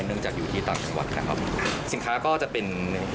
เนื่องจากอยู่ที่ต่างจังหวัดครับสินค้าก็จะเป็น